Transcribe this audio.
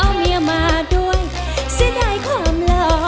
เอามียมาด้วยซึ่งได้ความหล่อ